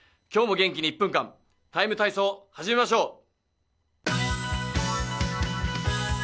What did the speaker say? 今日も元気に１分間、「ＴＩＭＥ，体操」を始めましょう。